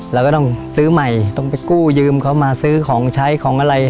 เราก็ต้องซื้อใหม่ต้องไปกู้ยืมเขามาซื้อของใช้ของอะไร